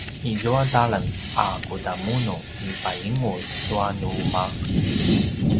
izua talem a kudamunu i palingulj tua nu umaq?